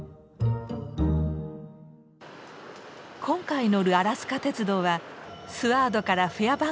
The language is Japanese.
今回乗るアラスカ鉄道はスワードからフェア